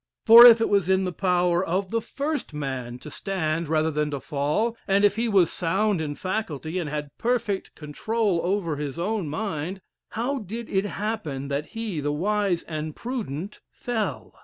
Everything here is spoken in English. For if it was in the power of the first man to stand rather than to fall, and if he was sound in faculty, and had perfect control over his own mind, how did it happen that he, the wise and prudent, fell?